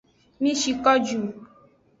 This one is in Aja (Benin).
Mi shi ko ju.